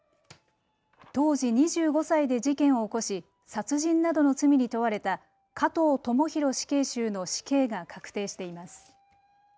当時２５歳で事件を起こし殺人などの罪に問われた加藤智大死刑囚の死刑が確定しています。